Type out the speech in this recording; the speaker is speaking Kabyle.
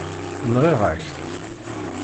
Nɣiɣ-ak-t.